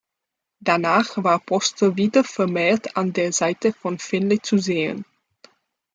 Danach war Postl wieder vermehrt an der Seite von Finlay zu sehen.